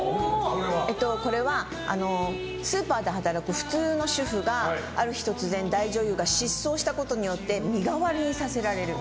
これは、スーパーで働く普通の主婦がある日突然大女優が失踪したことによって身代わりにさせられる。